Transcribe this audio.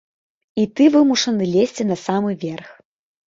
І ты вымушаны лезці на самы верх.